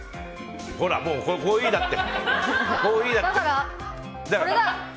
ほら、コーヒーだって。